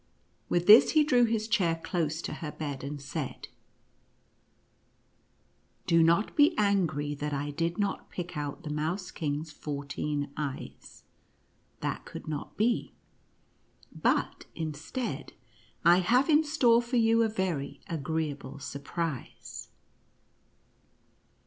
With this he drew his chair close to her bed, and said, " Do not be angry that I did not pick out the Mouse King's fourteen eyes — that could not be — but instead, I have in store for you a very agreeable surprise."